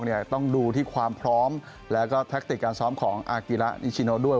ต้องดูที่ความพร้อมแล้วก็แท็กติกการซ้อมของอากิระนิชิโนด้วย